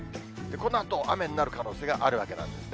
このあと雨になる可能性があるわけなんですね。